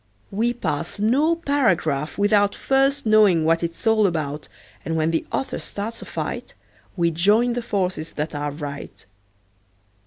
We pass no paragraph without First knowing what it's all about, And when the author starts a fight We join the forces that are right.